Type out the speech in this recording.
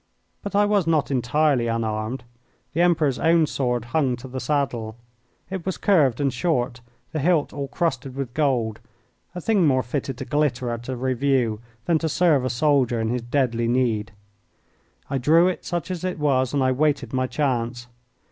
But I was not entirely unarmed. The Emperor's own sword hung to the saddle. It was curved and short, the hilt all crusted with gold a thing more fitted to glitter at a review than to serve a soldier in his deadly need. I drew it, such as it was, and I waited my chance.